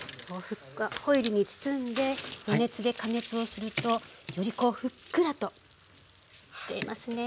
ホイルに包んで余熱で加熱をするとよりこうふっくらとしていますね。